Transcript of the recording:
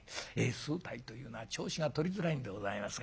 すっと入るというのは調子がとりづらいんでございますが」。